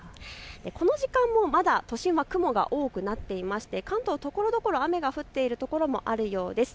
この時間もまだ都心は雲が多くなっていて関東、ところどころで雨が降っているところもあるようです。